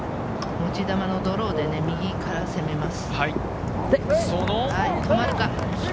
持ち球のドローで右から攻めます。